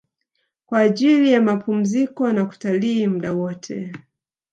Kwa ajili ya mapumziko na kutalii muda wote